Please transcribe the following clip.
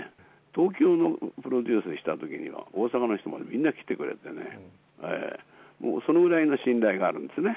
東京のプロデュースしたときには、大阪の人もみんな来てくれてね、もうそのぐらいの信頼があるんですね。